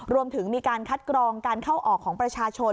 รวมถึงมีการคัดกรองการเข้าออกของประชาชน